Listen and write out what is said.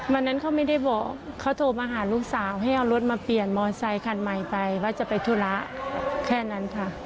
วันนั้นเขาไม่ได้บอกเขาโทรมาหาลูกสาวให้เอารถมาเปลี่ยนมอเซคันใหม่ไปว่าจะไปธุระแค่นั้นค่ะ